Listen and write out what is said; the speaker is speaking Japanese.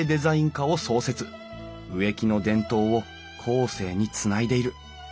植木の伝統を後世につないでいる。